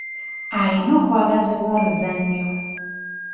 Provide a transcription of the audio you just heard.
Ayina obwagazi bw'omuzannyo.